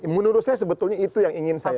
menurut saya sebetulnya itu yang ingin saya